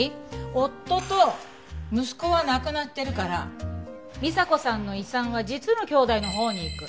夫と息子は亡くなってるから美沙子さんの遺産は実のきょうだいのほうに行く。